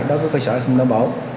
đối với cơ sở xin đảm bảo